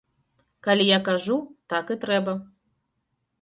Калі я кажу, так і трэба.